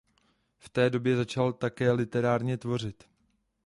V té době začal také literárně tvořit.